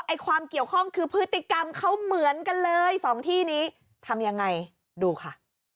ความเกี่ยวข้องคือพฤติกรรมเขาเหมือนกันเลยสองที่นี้ทำยังไงดูค่ะ